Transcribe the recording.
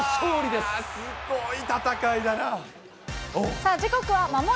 すごい戦いだな。